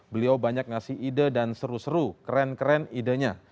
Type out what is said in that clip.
beliau banyak ngasih ide dan seru seru keren keren idenya